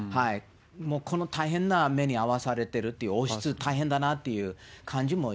もう、この大変な目に遭わされているという、王室大変だなっていう感じ